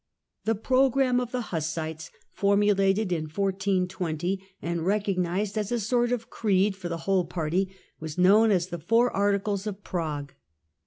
The programme of the Hussites, formulated in 1420, and recognised as a sort of creed for the whole party, was known as the Four Articles of Prague.